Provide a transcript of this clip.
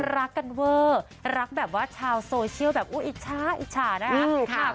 รักกันเวอร์รักแบบว่าชาวโซเชียลแบบอุ๊ยอิจฉาอิจฉานะครับ